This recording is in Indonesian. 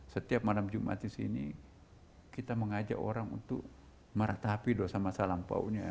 setiap malam jumat di sini kita mengajak orang untuk meratapi dosa masa lampaunya